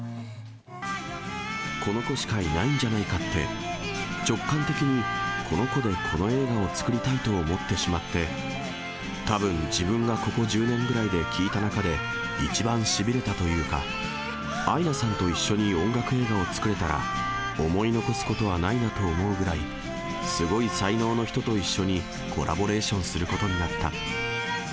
この子しかいないんじゃないかって、直感的に、この子でこの映画を作りたいと思ってしまって、たぶん自分がここ１０年ぐらいで聴いた中で、一番しびれたというか、アイナさんと一緒に音楽映画を作れたら、思い残すことはないなと思うぐらい、すごい才能の人と一緒にコラボレーションすることになった。